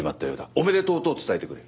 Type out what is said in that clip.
おめでとうと伝えてくれ。